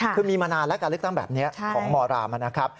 คือมีมานานแล้วการเลือกตั้งแบบนี้ของมรามนะครับ